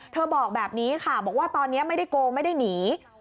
บอกแบบนี้ค่ะบอกว่าตอนนี้ไม่ได้โกงไม่ได้หนี